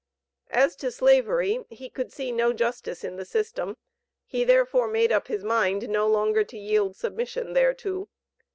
As to Slavery, he could see no justice in the system; he therefore made up his mind no longer to yield submission thereto.